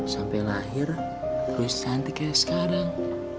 sampai lahir terus cantik kayak sekarang